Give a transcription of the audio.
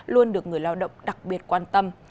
luôn được người lao động đặc biệt quan tâm